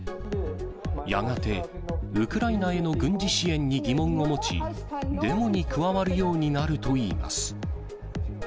やがて、ウクライナへの軍事支援に疑問を持ち、デモに加わるようになるといいます。